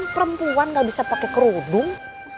perempuan gak bisa pakai kerudung